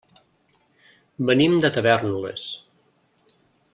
Venim de Tavèrnoles.